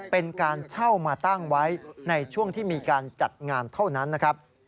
เป็นการเช่ามาตั้งไว้ในช่วงที่มีการจัดงานเท่านั้นนะครับ